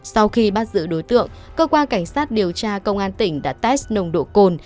sau khi bắt giữ đối tượng cơ quan cảnh sát điều tra công an tỉnh đã test nồng độ cồn